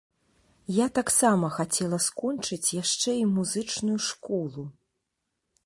Я таксама хацела скончыць яшчэ і музычную школу.